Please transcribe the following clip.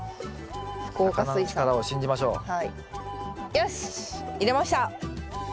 よし入れました。